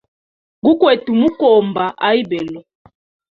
Gukwete mukomba a ibelo.